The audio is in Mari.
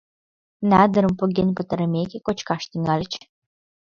Надырым поген пытарымеке, кочкаш тӱҥальыч.